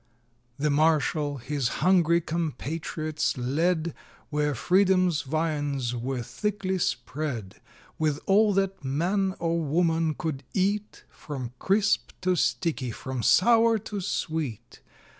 VI. The marshal his hungry compatriots led, Where Freedom's viands were thickly spread, With all that man or woman could eat, From crisp to sticky from sour to sweet.